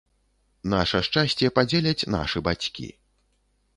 Наша шчасце падзеляць нашы бацькі.